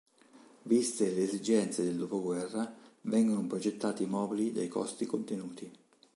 Viste le esigenze del dopoguerra vengono progettati mobili dai costi contenuti.